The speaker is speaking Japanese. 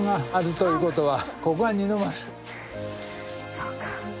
そうか。